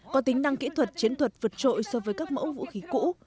có tính năng kỹ thuật chiến thuật vượt trội so với các mẫu vũ khí cũ